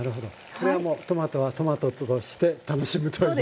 これはもうトマトはトマトとして楽しむということですね。